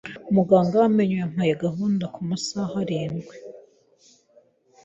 Muganga w amenyo yampaye gahunda kumasaha arindwi.